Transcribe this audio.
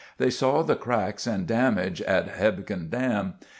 They saw the cracks and damage at Hebgen Dam.